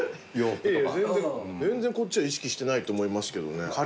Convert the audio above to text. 全然こっちは意識してないと思いますけどね。